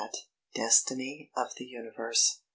DESTINY OF THE UNIVERSE.